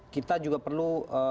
kita juga perlu